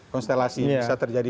konstelasi bisa terjadi